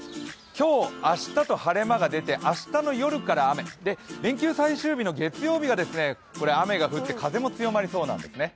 今日、明日と晴れ間が出て明日の夜から雨、連休最終日の月曜日が雨が降って風も強まりそうなんですね。